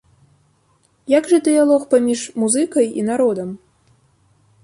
Як жа дыялог паміж музыкай і народам?